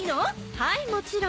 はいもちろん。